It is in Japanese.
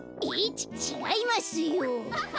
ちちがいますよ。